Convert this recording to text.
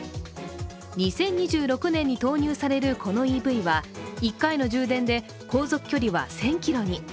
２０２６年に投入されるこのＥＶは１回の充電で航続距離は１０００ｋｍに。